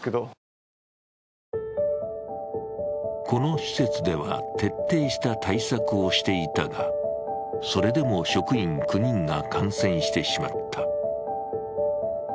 この施設では徹底した対策をしていたがそれでも職員９人が感染してしまった。